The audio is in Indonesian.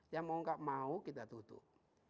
mau gak mau kita tutup